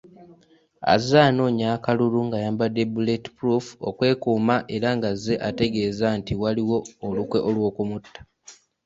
Azze anoonya akalulu ng’ayambadde “Bulletproof” okwekuuma era ng’azze ategeeza nti waliwo olukwe lw’okumutta.